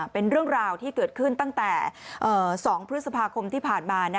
เป็นเรื่องราวที่เกิดขึ้นตั้งแต่๒พฤษภาคมที่ผ่านมา